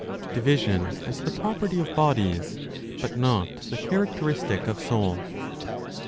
DIVISION AS THE PROPERTY OF BODIES, BUT NOT THE CHARACTERISTIC OF SOUL.